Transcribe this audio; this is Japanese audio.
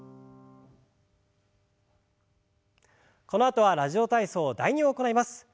このあとは「ラジオ体操第２」を行います。